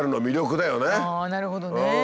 なるほどね。